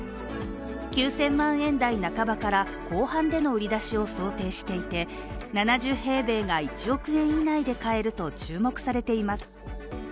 ９０００万円台半ばから後半での売り出しを想定していて７０平米が、１億円以内で買えると注目されています。